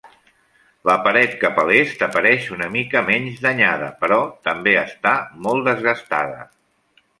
La paret cap a l'est apareix una mica menys danyada, però també està molt desgastada.